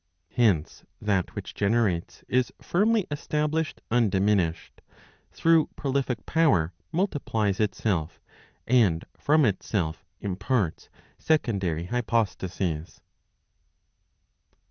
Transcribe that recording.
Hence that which generates is firmly established undiminished ; through prolific power multiplies itself; and from itself imparts secondary hypostases.